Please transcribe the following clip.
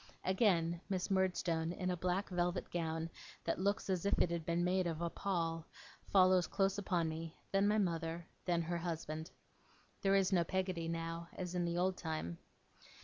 Again, Miss Murdstone, in a black velvet gown, that looks as if it had been made out of a pall, follows close upon me; then my mother; then her husband. There is no Peggotty now, as in the old time.